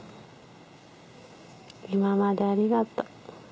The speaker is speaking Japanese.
今までありがとう。